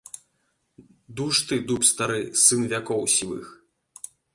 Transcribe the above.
Дуж ты, дуб стары, сын вякоў сівых!